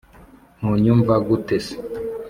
ntunyumva gute se